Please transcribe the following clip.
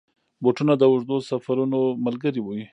بوټونه د اوږدو سفرونو ملګري وي.